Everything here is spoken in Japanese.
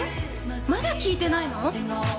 まだ聴いてないの？